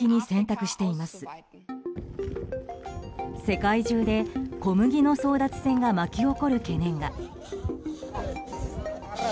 世界中で小麦の争奪戦が巻き起こる懸念が。